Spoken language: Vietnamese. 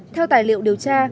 theo tài liệu điều tra